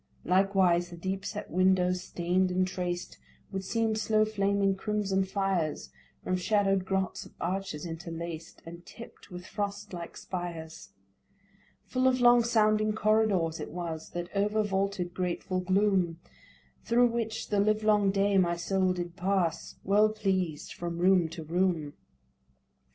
Likewise the deep set windows, stain'd and traced, Would seem slow flaming crimson fires From shadow'd grots of arches interlaced, And tipt with frost like spires. Full of long sounding corridors it was, over vaulted grateful gloom, Thro' which the livelong day my soul did pass, Well pleased, from room to room.